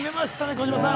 児嶋さん。